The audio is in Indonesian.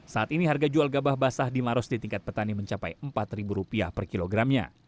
saat ini harga jual gabah basah di maros di tingkat petani mencapai rp empat per kilogramnya